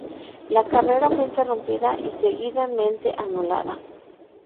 La carrera fue interrumpida y seguidamente anulada.